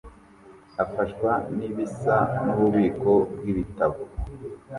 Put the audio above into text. afashwa nibisa nububiko bwibitabo